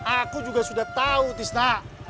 aku juga sudah tahu tisna